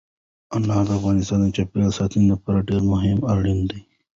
انار د افغانستان د چاپیریال ساتنې لپاره ډېر مهم او اړین دي.